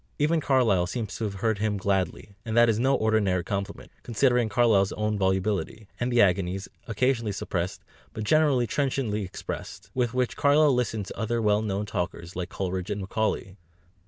Even Carlyle seems to have heard him gladly, and that is no ordinary compliment, considering Carlyle's own volubility, and the agonies, occasionally suppressed but generally trenchantly expressed, with which Carlyle listened to other well known talkers like Coleridge and Macaulay.